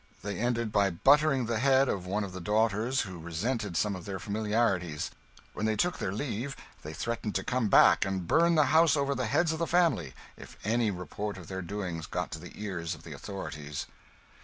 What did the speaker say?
They ended by buttering the head of one of the daughters who resented some of their familiarities. When they took their leave they threatened to come back and burn the house over the heads of the family if any report of their doings got to the ears of the authorities.